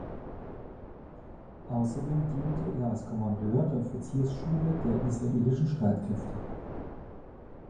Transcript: Außerdem diente er als Kommandeur der Offiziersschule der israelischen Streitkräfte.